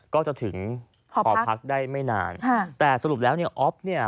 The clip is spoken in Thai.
ก็จะถึงหอพักได้ไม่นานค่ะแต่สรุปแล้วเนี่ยอ๊อฟเนี่ย